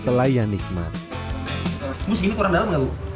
selai yang nikmat musim kurang dalem